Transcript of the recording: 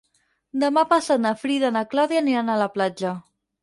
Demà passat na Frida i na Clàudia aniran a la platja.